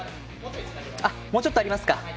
もうちょっとありますか。